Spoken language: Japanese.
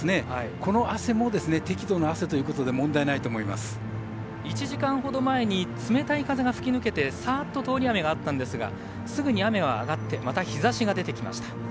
この汗も適度な汗ということで１時間ほど前に通り雨が抜けてさーっと通り雨があったんですがすぐに雨は上がって日ざしも出てきました。